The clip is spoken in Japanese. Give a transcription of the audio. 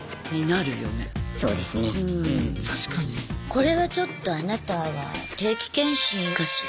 これはちょっとあなたは定期検診かしら。